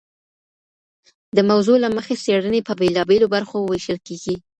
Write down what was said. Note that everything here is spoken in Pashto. د موضوع له مخي څېړني په بیلابیلو برخو ویشل کیږي.